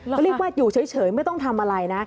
ก็เรียกว่าอยู่เฉยไม่ต้องทำอะไรนะ